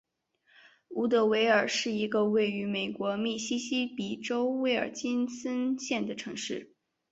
伍德维尔是一个位于美国密西西比州威尔金森县的城市。